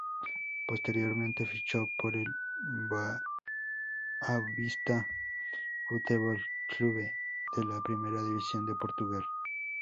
Posteriormente fichó por el Boavista Futebol Clube de la Primera División de Portugal.